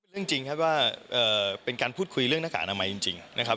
เรื่องจริงครับว่าเอ่อเป็นการพูดคุยเรื่องหน้ากากอนามัยจริงจริงนะครับ